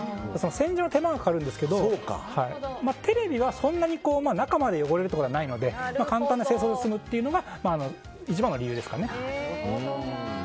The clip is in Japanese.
洗浄の手間がかかるんですけどテレビはそんなに中まで汚れるってことはないので簡単な清掃で済むというのが一番の理由です。